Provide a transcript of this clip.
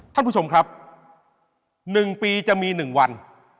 ท่านผู้ชมครับ๑ปีจะมี๑วัน